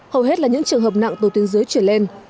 hầu hết là những trường hợp nặng từ tuyến dưới chuyển lên